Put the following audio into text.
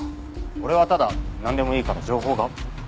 俺はただなんでもいいから情報が。